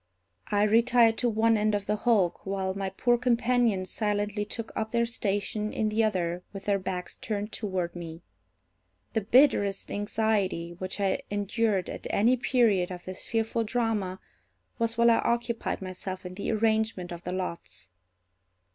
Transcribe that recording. I retired to one end of the hulk, while my poor companions silently took up their station in the other with their backs turned toward me. The bitterest anxiety which I endured at any period of this fearful drama was while I occupied myself in the arrangement of the lots.